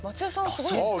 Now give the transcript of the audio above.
すごいですね。